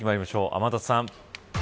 天達さん。